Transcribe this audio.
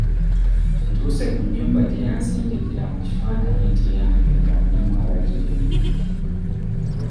Ntuuse ku nnyumba gye yansindikra mu kifaananyi nti yange nga mulimu abagirimu.